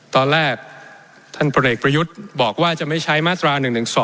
ตอนแรกท่านพลเอกประยุทธ์บอกว่าจะไม่ใช้มาตรา๑๑๒